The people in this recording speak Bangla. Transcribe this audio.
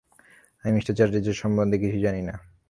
আমি মি চ্যাটার্জি সম্পর্কে কিছুই জানি না।